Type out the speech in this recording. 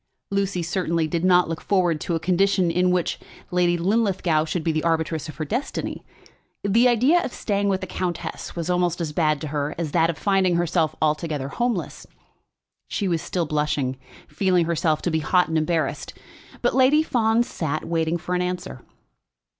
Lucy certainly did not look forward to a condition in which Lady Linlithgow should be the arbitress of her destiny. The idea of staying with the countess was almost as bad to her as that of finding herself altogether homeless. She was still blushing, feeling herself to be hot and embarrassed. But Lady Fawn sat, waiting for an answer.